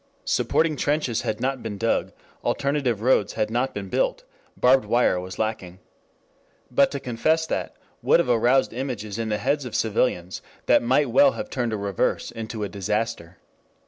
Supporting trenches had not been dug, alternative roads had not been built, barbed wire was lacking. But to confess that would have aroused images in the heads of civilians that might well have turned a reverse into a disaster.